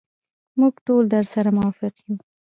موږ ټول درسره موافق یو.